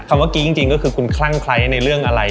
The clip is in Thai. คำว่ากรี๊กจริงก็คือคุณครั้งไขในเรื่องอะไร